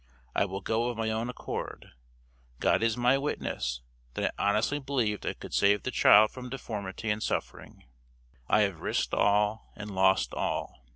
I will go of my own accord. God is my witness that I honestly believed I could save the child from deformity and suffering. I have risked all and lost all.